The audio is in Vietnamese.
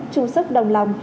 chu sức đồng lòng